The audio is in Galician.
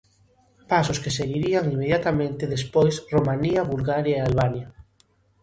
Pasos que seguirían inmediatamente despois Romanía, Bulgaria e Albania.